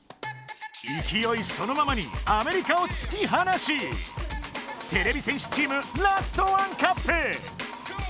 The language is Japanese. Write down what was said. いきおいそのままにアメリカをつきはなしてれび戦士チームラスト１カップ！